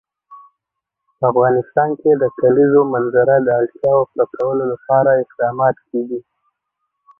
په افغانستان کې د د کلیزو منظره د اړتیاوو پوره کولو لپاره اقدامات کېږي.